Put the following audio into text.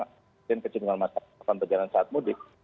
mungkin kecenderungan masyarakat untuk perjalanan saat mudik